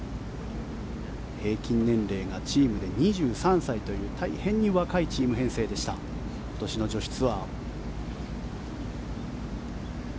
平均年齢がチームで２３歳という大変に若いチーム編成でした今年の女子ツアー。